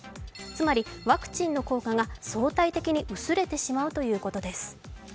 つまりワクチンの効果が相対的に薄れてしまうということです。